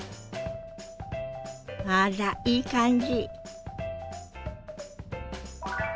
あらいい感じ。